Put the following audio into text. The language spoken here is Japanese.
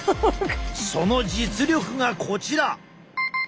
その実力がこちら。